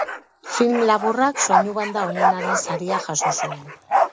Film laburrak soinu-banda onenaren saria jaso zuen.